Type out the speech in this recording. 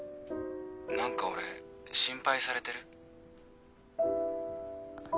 何か俺心配されてる？